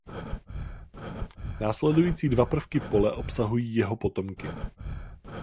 Následující dva prvky pole obsahují jeho potomky.